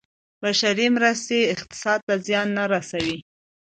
بشري مرستې اقتصاد ته زیان نه رسوي.